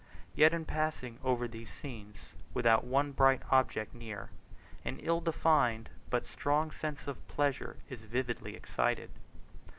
Yet in passing over these scenes, without one bright object near, an ill defined but strong sense of pleasure is vividly excited.